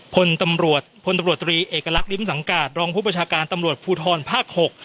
พลตำรวจพลตำรวจตรีเอกลักษณ์ริมสังการรองผู้ประชาการตำรวจภูทรภาค๖